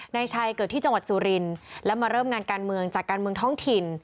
นายชัยเกิดที่จังหวัดสุรินทร์แล้วมาเริ่มงานการเมืองจากการเมืองท้องถิ่น